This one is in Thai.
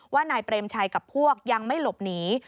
นายเปรมชัยกับพวกยังไม่หลบหนี